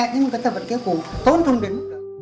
nhưng người ta vẫn kêu cổ tôn không đến